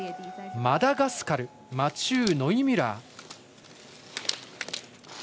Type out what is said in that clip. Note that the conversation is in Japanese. マダガスカルマチュー・ノイミュラー。